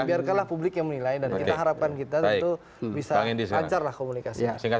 biarkanlah publik yang menilai dan kita harapkan kita bisa lancar komunikasi